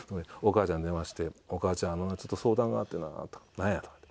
お母ちゃんに電話して「お母ちゃんあのなちょっと相談があってな」と。